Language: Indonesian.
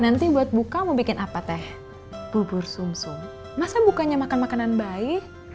nanti buat buka mau bikin apa teh bubur sum sum masa bukannya makan makanan bayi